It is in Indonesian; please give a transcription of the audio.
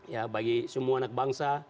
ya bagi semua anak bangsa